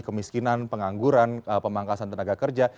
kemiskinan pengangguran pemangkasan tenaga kerja